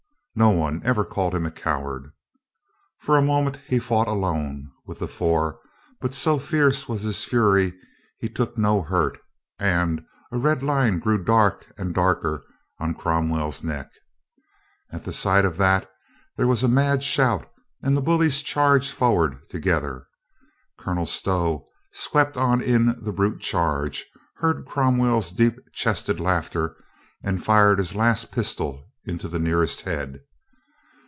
No one ever called him a coward. For a moment he fought alone with the four, but so fierce was his fury, he took no hurt, and ,a red line grew dark and darker on Cromwell's neck. At sight of that there was a mad shout and the bullies charged forward together. Colonel Stow, swept on in that brute charge, heard Cromwell's deep chested laughter and fired his last pistol into the nearest head.